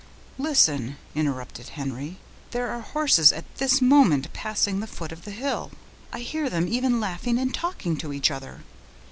"Listen!" interrupted Henry, "there are horse at this moment passing the foot of the hill. I hear them even laughing and talking to each other.